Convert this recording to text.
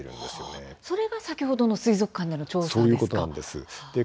それが先ほどの水族館での調査ですか？